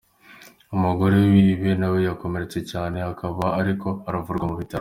Umugore wiwe nawe yarakomeretse cane akaba ariko aravurwa mu bitaro.